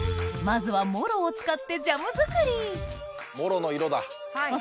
まずはモロを使ってジャム作りモロの色だ。